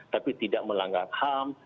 tapi tidak melanggar ham